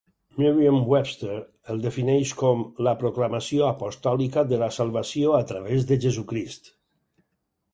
Merriam-Webster el defineix com "la proclamació apostòlica de la salvació a través de Jesucrist".